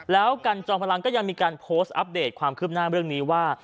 แล้วกันจอมพลังก็ยังมีการโพสต์อัปเดตความคืบหน้าเรื่องนี้ว่า